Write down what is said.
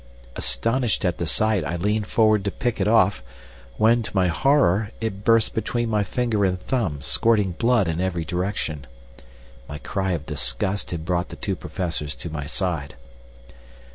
Astonished at the sight, I leaned forward to pick it off, when, to my horror, it burst between my finger and thumb, squirting blood in every direction. My cry of disgust had brought the two professors to my side.